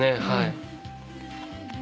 はい。